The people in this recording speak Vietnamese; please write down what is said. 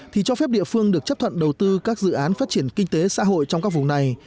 thì cho phép địa phương được chấp thuận đầu tư các dự án phát triển kinh tế xã hội trong các vùng này